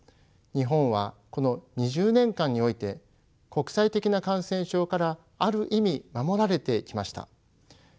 日本はこの２０年間において国際的な感染症からある意味守られてきました。